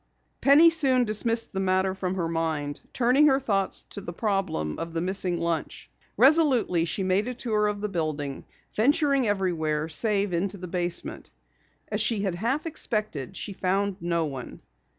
Penny soon dismissed the matter from her mind, turning her thoughts to the problem of the missing lunch. Resolutely she made a tour of the building, venturing everywhere save into the basement. As she had half expected, she found no one.